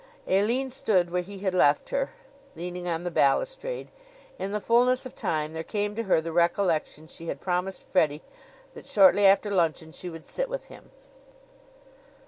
Aline stood where he had left her, leaning on the balustrade. In the fullness of time there came to her the recollection she had promised Freddie that shortly after luncheon she would sit with him.